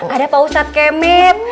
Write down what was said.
ada pak ustadz kemip